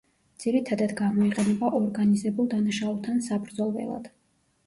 ძირითადად გამოიყენება ორგანიზებულ დანაშაულთან საბრძოლველად.